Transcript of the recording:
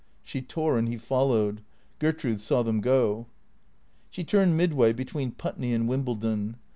She tore and he followed. Gertrude saw them go. She turned midway between Putney and Wimbledon.